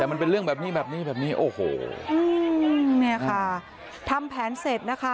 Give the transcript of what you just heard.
แต่มันเป็นเรื่องแบบนี้แบบนี้แบบนี้แบบนี้โอ้โหอืมเนี่ยค่ะทำแผนเสร็จนะคะ